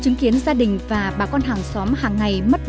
chứng kiến gia đình và bà con hàng xóm hàng ngày mất